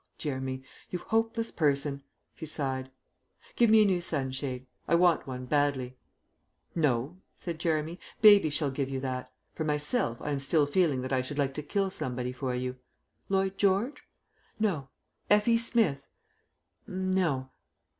"Oh, Jeremy, you hopeless person," she sighed. "Give me a new sunshade. I want one badly." "No," said Jeremy, "Baby shall give you that. For myself I am still feeling that I should like to kill somebody for you. Lloyd George? No. F. E. Smith? N no...."